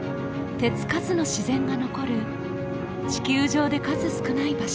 手付かずの自然が残る地球上で数少ない場所